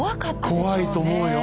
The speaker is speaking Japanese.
怖いと思うよ。